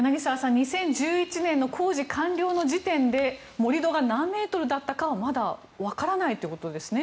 ２０１１年の工事完了の時点で盛り土が何メートルだったかはまだわからないということですね。